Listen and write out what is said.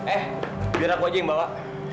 eh biar aku aja yang bawa